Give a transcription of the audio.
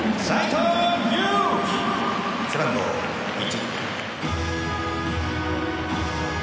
背番号１」。